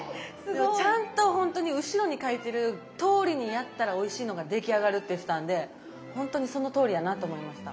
でもちゃんとほんとに後ろに書いてるとおりにやったらおいしいのが出来上がるって言ってたんでほんとにそのとおりやなと思いました。